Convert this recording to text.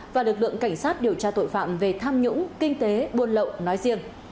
và lực lượng cảnh sát điều tra tội phạm về tham nhũng kinh tế buôn lậu nói riêng